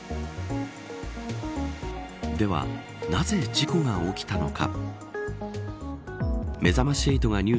では、なぜ事故が起きたのか。